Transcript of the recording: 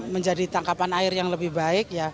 menjadi tangkapan air yang lebih baik